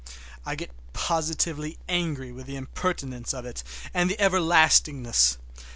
I get positively angry with the impertinence of it and the everlastingness.